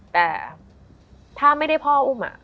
แต่ถ้าไม่ได้พ่ออุ้ม